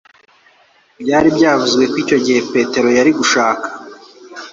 Byari byavuzwe ko icyo gihe Petero yari gushaka